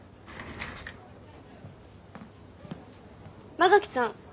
馬垣さん。